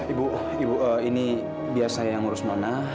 ibu ibu ini biar saya yang urus minona